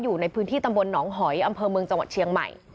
อยู่ในพื้นที่ตำบลหนองหอยอำเภอเมืองจังหวัดเชียงใหม่